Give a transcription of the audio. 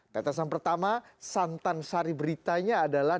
tetesan pertama santan sari beritanya adalah